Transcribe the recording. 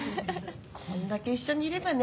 こんだけ一緒にいればね。